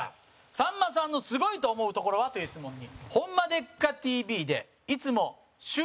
さんまさんのすごいと思うところは？という質問に。